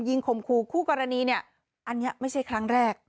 จิงขมครูคู่กรณีอันนี้ไม่ใช่ครั้งแรก